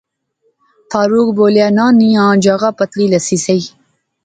فاروق بولیا ناں نیاں جاغا پتلی لسی سہی